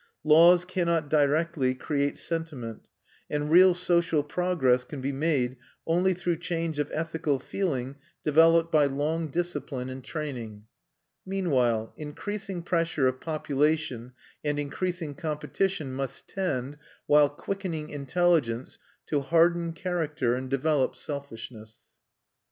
Laws cannot directly create sentiment; and real social progress can be made only through change of ethical feeling developed by long discipline and training. Meanwhile increasing pressure of population and increasing competition must tend, while quickening intelligence, to harden character and develop selfishness.